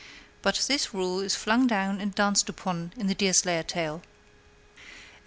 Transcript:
But this rule is flung down and danced upon in the Deerslayer tale. 8.